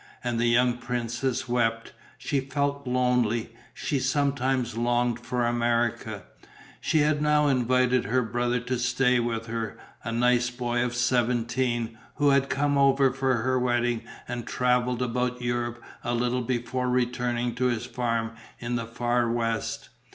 And the young princess wept: she felt lonely, she sometimes longed for America. She had now invited her brother to stay with her, a nice boy of seventeen, who had come over for her wedding and travelled about Europe a little before returning to his farm in the Far West.